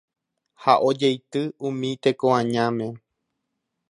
ha ojeity umi tekoañáme